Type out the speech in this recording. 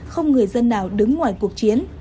không người dân nào đứng ngoài cuộc chiến